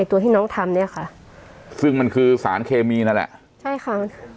ตัวที่น้องทำเนี้ยค่ะซึ่งมันคือสารเคมีนั่นแหละใช่ค่ะ